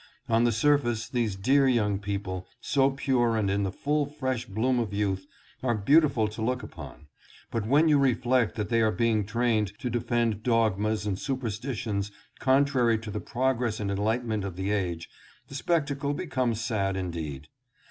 On the surface these dear young people, so pure and in the full fresh bloom of youth, are beautiful to look upon ; but when you reflect that they are being trained to defend dogmas and superstitions contrary to the progress and enlightenment of the age, the spectacle becomes sad indeed.